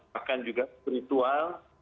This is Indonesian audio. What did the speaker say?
bahkan juga spiritual